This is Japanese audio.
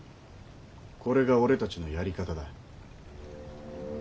これが俺たちのやり方だ。